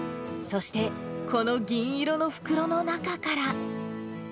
そしてこの銀色の袋の中から。